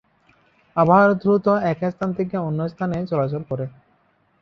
আবার দ্রুত এক স্থান থেকে অন্য স্থানে চলাচল করে।